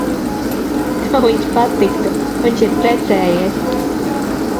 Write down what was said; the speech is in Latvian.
Tev viņš patiktu. Viņš ir precējies.